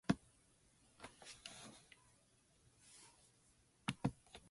Each of the players involved were levied fines and ordered to do community service.